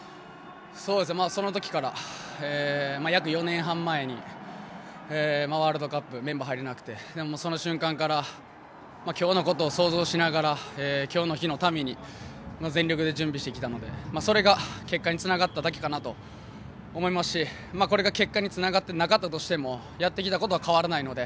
その時から約４年半前にワールドカップメンバーに入れなくてその瞬間から今日のことを想像しながら今日の日のために、全力で準備をしてきたのでそれが結果につながっただけかなと思いますしこれが結果につながってなかったとしてもやってきたことは変わらないので。